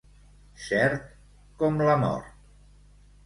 Cert com la mort.